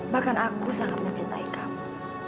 bahkan aku sangat mencintai kamu